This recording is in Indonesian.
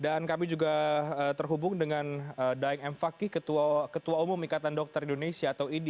dan kami juga terhubung dengan daeng m fakih ketua umum ikatan dokter indonesia atau idi